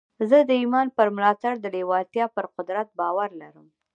زه د ايمان پر ملاتړ د لېوالتیا پر قدرت باور لرم.